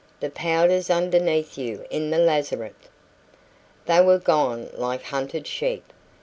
"The powder's underneath you in the lazarette!" They were gone like hunted sheep.